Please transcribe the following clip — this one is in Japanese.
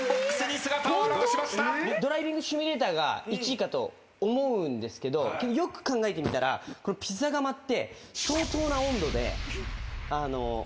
ドライビングシミュレーターが１位かと思うんですけどよく考えてみたらピザ窯って。